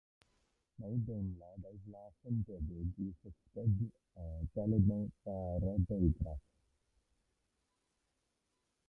Mae ei deimlad a'i flas yn debyg i fisged galed neu fara deugras.